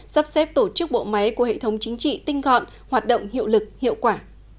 sắp xếp tổ chức bộ máy của hệ thống chính trị tinh gọn hoạt động hiệu lực hiệu quả